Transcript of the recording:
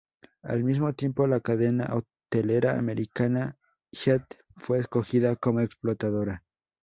Al mismo tiempo, la cadena hotelera americana Hyatt fue escogida como explotadora.